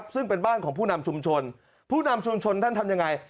ซึ่งเป็นบ้านของผู้นำชุมชนผู้นำชุมชนท่านทำยังไง